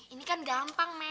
ini kan gampang men